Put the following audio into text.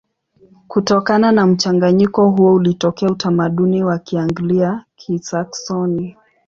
Kutokana na mchanganyiko huo ulitokea utamaduni wa Kianglia-Kisaksoni.